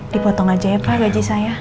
dipotong aja ya pak gaji saya